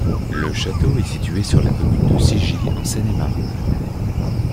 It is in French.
Le château est situé sur la commune de Sigy en Seine-et-Marne.